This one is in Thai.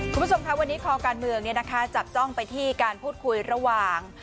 คุณผู้ชมค่ะวันนี้คอการเมืองจับจ้องไปที่การพูดคุยระหว่าง